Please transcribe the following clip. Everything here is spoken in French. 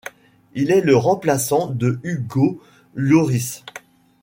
Il est le remplaçant de Hugo Lloris.